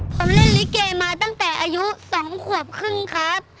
ผมเล่นลิเกมาตั้งแต่อายุ๒ขวบครึ่งครับ